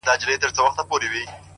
سل او شپېته کلونه؛